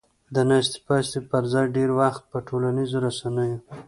د ناستې پاستې پر ځای ډېر وخت په ټولنیزو رسنیو